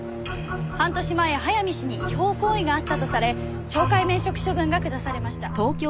半年前早見氏に違法行為があったとされ懲戒免職処分が下されました。